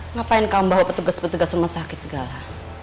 ngapain kamu bawa petugas petugas rumah sakit segala